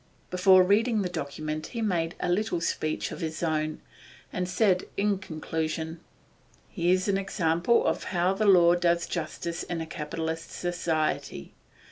Before reading the document he made a little speech of his own, and said in conclusion: 'Here's an example of how the law does justice in a capitalist society.